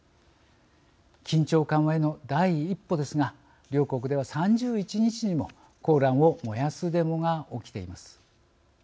緊張緩和への第一歩ですが両国では３１日にもコーランを燃やすデモが起きています。